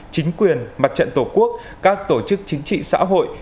chính quyền mặt trận tổ quốc các tổ chức chính trị xã hội